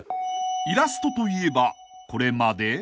［イラストといえばこれまで］